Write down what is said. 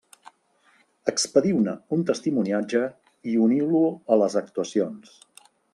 Expediu-ne un testimoniatge i uniu-lo a les actuacions.